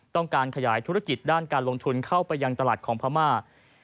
ต้องการขยายธุรกิจด้านการลงทุนเข้าไปยังตลาดของพม่า